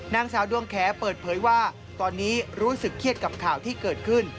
นางสาวดวงแขเปิดเผยว่าตอนนี้รู้สึกเครียดกับข่าวที่เกิดขึ้น